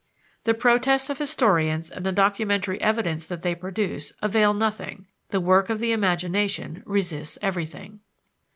The protests of historians and the documentary evidence that they produce avail nothing: the work of the imagination resists everything.